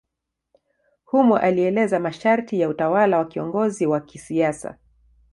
Humo alieleza masharti ya utawala kwa kiongozi wa kisiasa.